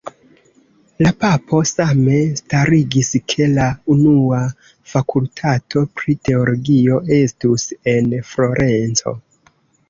La papo same starigis ke la unua Fakultato pri Teologio estus en Florenco.